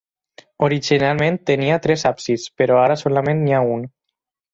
Originalment tenia tres absis, però ara solament n'hi ha un.